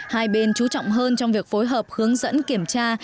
hai bên chú trọng hơn trong việc phối hợp hướng dẫn kiểm tra